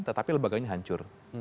tetapi lebakanya hancur